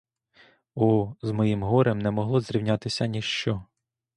О, з моїм горем не могло зрівнятися ніщо!